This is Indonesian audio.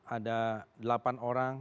ada delapan orang